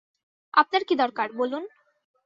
আপনার কী দরকার, বলুন?